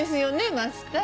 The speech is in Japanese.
マスター。